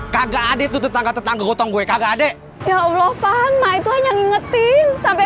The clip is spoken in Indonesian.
kagak ada itu tetangga tetangga utang gue kagak adek ya allah pak ma itu hanya ngingetin sampai